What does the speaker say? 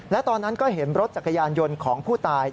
และตอนนั้นก็เห็นรถจักรยานยนต์ของผู้ตาย